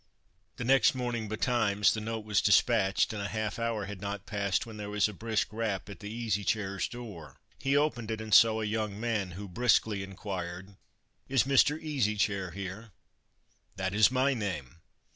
The next morning betimes the note was despatched, and a half hour had not passed when there was a brisk rap at the Easy Chair's door. He opened it, and saw a young man, who briskly inquired, "Is Mr. Easy Chair here?" "That is my name."